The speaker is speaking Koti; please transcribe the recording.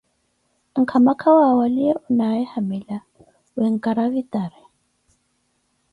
Nkama kawa waliye onaye hamila, wencaravitari